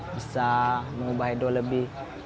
bisa mengubah edo lebih